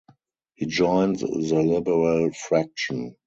He joined the Liberal fraction.